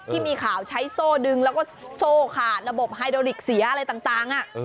ที่มีข่าวใช้โซ่ดึงแล้วก็โซ่ขาดระบบไฮโดริกเสียอะไรต่าง